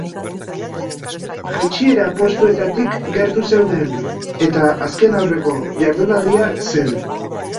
Jaitsiera postuetatik gertu zeuden, eta azken-aurreko jardunaldia zen.